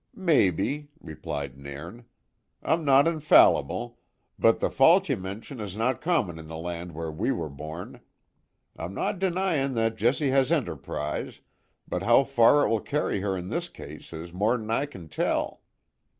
"Maybe," replied Nairn. "I'm no infallible, but the fault ye mention is no common in the land where we were born. I'm no denying that Jessie has enterprise, but how far it will carry her in this case is mair than I can tell."